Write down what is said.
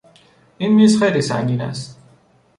این میز خیلی سنگین است.